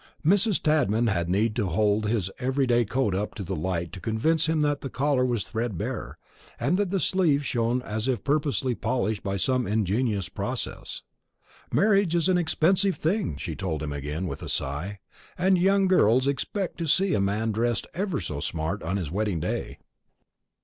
Mrs. Tadman had need to hold his every day coat up to the light to convince him that the collar was threadbare, and that the sleeves shone as if purposely polished by some ingenious process. "Marriage is an expensive thing," she told him again, with a sigh; "and young girls expect to see a man dressed ever so smart on his wedding day."